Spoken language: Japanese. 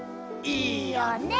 いいよね！